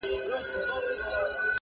o زاړه خلک چوپتيا غوره کوي,